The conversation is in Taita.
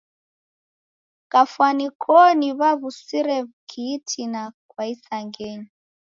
Kafwani koni w'aw'usire w'ukitina ghwa isangenyi.